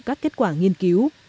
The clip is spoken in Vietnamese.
các kết quả nghiên cứu